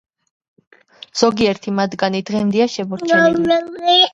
ზოგიერთი მათგანი დღემდეა შემორჩენილი.